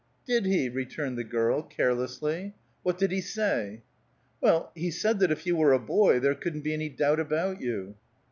"Did he?" returned the girl, carelessly. "What did he say?" "Well, he said that if you were a boy there couldn't be any doubt about you."